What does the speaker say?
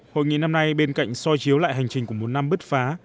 hội nghị năm nay bên cạnh soi chiếu lại hành trình của một năm bứt phá